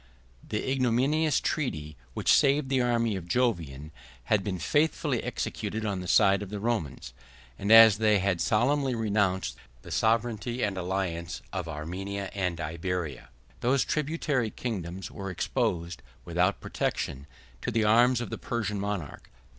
The ignominious treaty, which saved the army of Jovian, had been faithfully executed on the side of the Romans; and as they had solemnly renounced the sovereignty and alliance of Armenia and Iberia, those tributary kingdoms were exposed, without protection, to the arms of the Persian monarch.